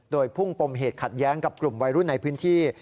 โดยพุ่งปมเหตุขัดแย้งกับกลุ่มวัยรุ่นในพื้นที่